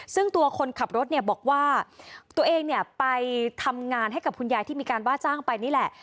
ซึ่งตัวคนขับรถบอกว่าตัวเองไปทำงานให้กับคุณยายที่มีการป้าจ้างออกไปนี่แหละ